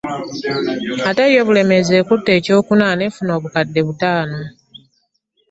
Ate yo Bulemeezi ekutte ekyokuna n'efuna obukadde butaano